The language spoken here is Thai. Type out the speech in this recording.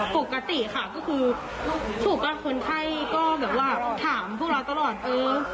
ปกติค่ะก็คือถูกกับคนไข้ก็แบบว่าถามพวกเราตลอดเออ